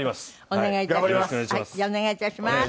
お願い致します。